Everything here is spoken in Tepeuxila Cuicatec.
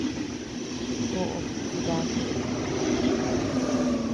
Koʼöd jibaku.